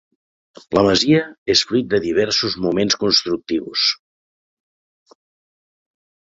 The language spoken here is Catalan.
La masia és fruit de diversos moments constructius.